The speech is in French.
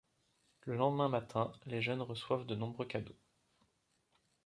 Le lendemain matin, les jeunes reçoivent de nombreux cadeaux.